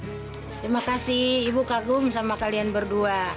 terima kasih ibu kagum sama kalian berdua